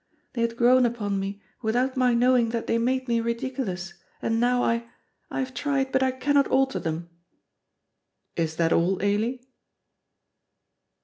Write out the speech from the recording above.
They had grown upon me without my knowing that they made me ridiculous, and now I I have tried, but I cannot alter them." "Is that all, Ailie?"